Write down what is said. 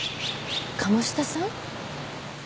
鴨志田さん？